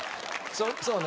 そうね